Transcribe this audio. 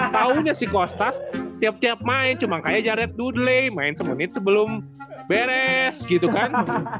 taunya si kostas tiap tiap main cuma kayak jaret dudley main semenit sebelum beres gitu kan